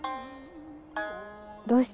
どうして？